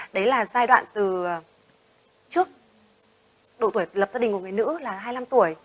đấy là giai đoạn từ trước độ tuổi lập gia đình của người nữ là hai mươi năm tuổi